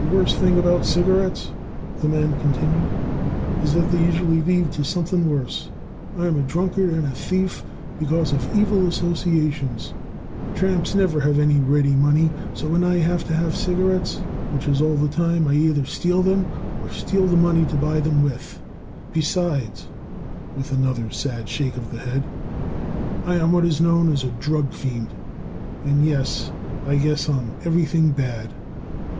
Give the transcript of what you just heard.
"The worst thing about cigarettes," the man continued, "is that they usually lead to something worse. I am a drunkard and a thief, because of evil associations. Tramps never have any ready money; so when I have to have cigarettes, which is all the time, I either steal them or steal the money to buy them with. Besides," with another sad shake of the head, "I am what is known as a drug fiend, and yes, I guess I am everything bad.